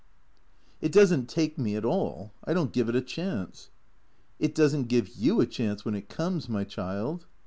" It does n't take me at all, I don't give it a chance." " It does n't give you a chance, when it comes, my child."